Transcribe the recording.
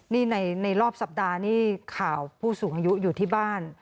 นี่ในรอบสัปดาห์นี่ข่าวผู้สูงอายุอยู่ที่บ้าน